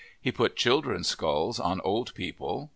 He put children's skulls on old people.